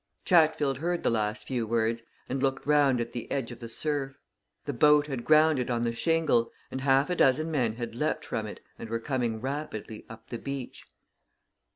Chatfield heard the last few words and looked round at the edge of the surf. The boat had grounded on the shingle, and half a dozen men had leapt from it and were coming rapidly up the beach.